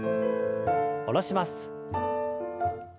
下ろします。